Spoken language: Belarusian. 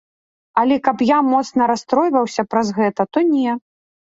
Але каб я моцна расстройваўся праз гэта, то не.